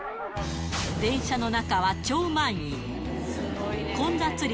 電車の中は超満員。